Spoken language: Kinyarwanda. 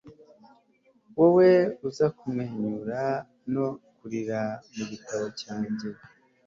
wowe uza kumwenyura no kurira mu gitabo cyanjye